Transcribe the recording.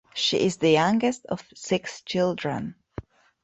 She is the youngest of six children.